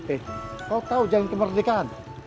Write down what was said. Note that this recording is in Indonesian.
eh kau tahu jalan kemerdekaan